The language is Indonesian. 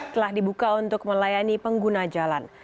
telah dibuka untuk melayani pengguna jalan